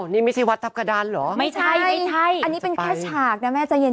นี่ไม่ใช่วัดทัพกระดานเหรอไม่ใช่ไม่ใช่อันนี้เป็นแค่ฉากนะแม่ใจเย็น